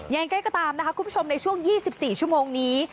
เย็นใกล้ก็ตามนะคะคุณผู้ชมในช่วงยี่สิบสี่ชั่วโมงนี้